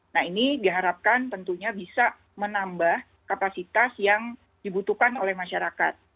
nah ini diharapkan tentunya bisa menambah kapasitas yang dibutuhkan oleh masyarakat